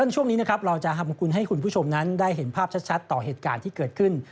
ช่วงนี้นะครับเราจะทำคุณให้คุณผู้ชมนั้นได้เห็นภาพชัดต่อเหตุการณ์ที่เกิดขึ้น